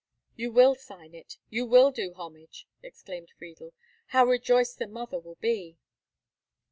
"You will sign it—you will do homage!" exclaimed Friedel. "How rejoiced the mother will be."